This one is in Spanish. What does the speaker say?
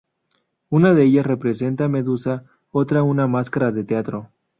Una de ellas representa a Medusa, otra una máscara de teatro.